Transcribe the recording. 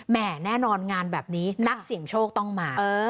แน่นอนงานแบบนี้นักเสี่ยงโชคต้องมา